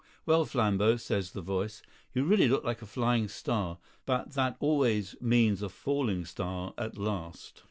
"Well, Flambeau," says the voice, "you really look like a Flying Star; but that always means a Falling Star at last."